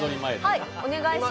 お願いします。